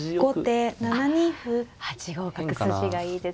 あっ８五角筋がいいですね。